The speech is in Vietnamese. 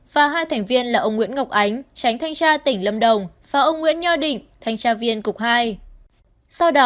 và hai thành viên là ông nguyễn ngọc ánh tránh thanh tra tỉnh lâm đồng và ông nguyễn nho định thanh tra viên cục hai